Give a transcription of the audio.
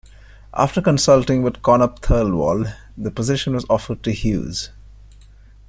After consulting with Connop Thirlwall, the position was offered to Hughes.